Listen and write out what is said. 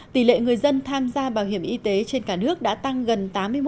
tỷ lệ người dân tham gia bảo hiểm y tế trên cả nước đã tăng gần tám mươi một